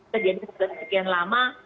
kejadiannya sudah sekian lama